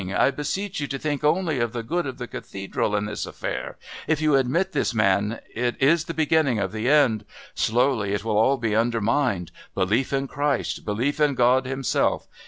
I beseech you to think only of the good of the Cathedral in this affair. If you admit this man it is the beginning of the end. Slowly it will all be undermined. Belief in Christ, belief in God Himself....